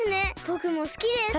ぼくもすきです。